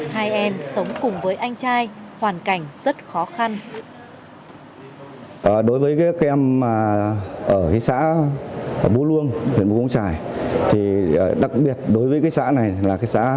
hai em sống cùng với anh trai hoàn cảnh rất khó khăn